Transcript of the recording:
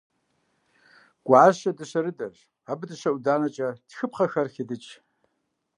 Гуащэ дыщэрыдэщ. Абы дыщэ ӏуданэкӏэ тхыпхъэхэр хедыкӏ.